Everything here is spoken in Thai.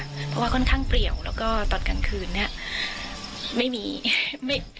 เพราะว่าค่อนข้างเปรียวแล้วก็ตอนกลางคืนเนี้ยไม่มีไม่